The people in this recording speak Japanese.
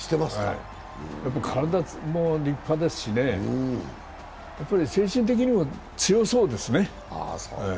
体も立派ですし、精神的にも強そうですね。